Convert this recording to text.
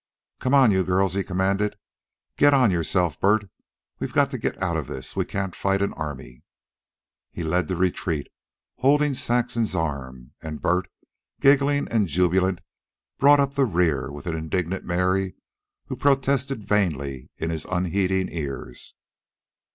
"Come on, you girls," he commanded. "Get onto yourself, Bert. We got to get outa this. We can't fight an army." He led the retreat, holding Saxon's arm, and Bert, giggling and jubilant, brought up the rear with an indignant Mary who protested vainly in his unheeding ears.